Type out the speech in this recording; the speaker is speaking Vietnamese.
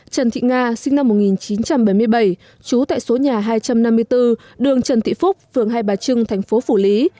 trần thị nga sinh năm một nghìn chín trăm bảy mươi bảy trú tại số nhà hai trăm năm mươi bốn đường trần thị phúc phường hai bà trưng thành phố phủ lý